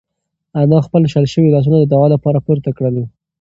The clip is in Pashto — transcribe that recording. انا خپل شل شوي لاسونه د دعا لپاره پورته کړل.